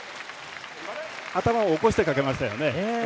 頭を起こしてかけましたよね。